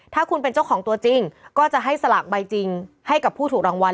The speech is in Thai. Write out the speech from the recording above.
ถ้าคุณเป็นเจ้าของตัวจริงก็จะให้สลากใบจริงให้กับผู้ถูกรางวัล